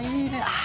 あ！